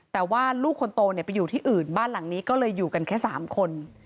แต่ว่าลูกคนโตไปอยู่ที่อื่นบ้านหลังนี้ก็เลยอยู่กันแค่๓คน